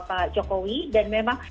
pak jokowi dan memang